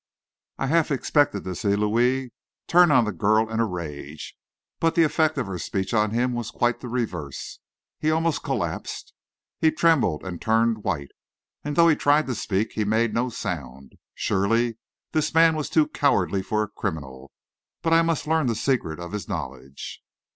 I half expected to see Louis turn on the girl in a rage, but the effect of her speech on him was quite the reverse. He almost collapsed; he trembled and turned white, and though he tried to speak, he made no sound. Surely this man was too cowardly for a criminal; but I must learn the secret of his knowledge.